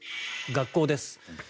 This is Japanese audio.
学校です。